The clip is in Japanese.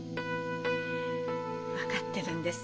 分かってるんです。